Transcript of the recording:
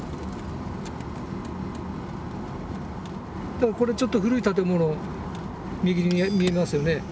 だからこれちょっと古い建物右に見えますよね。